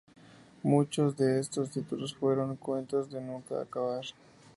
Muchos de estos títulos fueron los cuentos de nunca acabar.